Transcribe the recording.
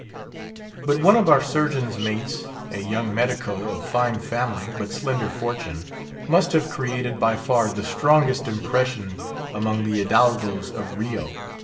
But one of our Surgeon's mates, a young medico of fine family but slender fortune, must have created by far the strongest impression among the hidalgoes of Rio.